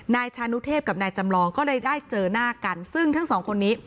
นายชานุเทพกับนายจำลองก็เลยได้เจอหน้ากันซึ่งทั้งสองคนนี้